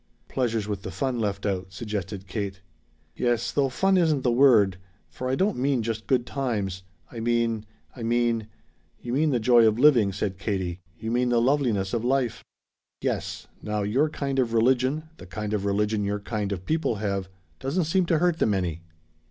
"Pleasures with the fun left out," suggested Kate. "Yes, though fun isn't the word, for I don't mean just good times. I mean I mean " "You mean the joy of living," said Katie. "You mean the loveliness of life." "Yes; now your kind of religion the kind of religion your kind of people have, doesn't seem to hurt them any."